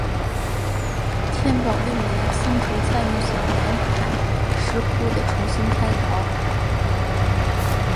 天保六年僧稠参与小南海石窟的重新开凿。